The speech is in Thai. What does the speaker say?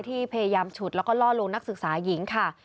ที่พยายามฉุดแล้วก็ล่อลวงนักศึกษาหญิงค่ะ